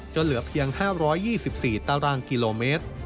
เหลือเพียง๕๒๔ตารางกิโลเมตร